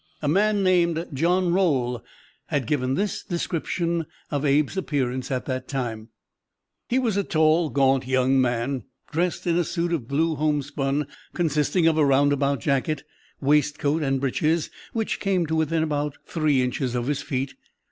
A man named John Roll has given this description of Abe's appearance at that time: "He was a tall, gaunt young man, dressed in a suit of blue homespun, consisting of a roundabout jacket, waistcoat, and breeches which came to within about three inches of his feet.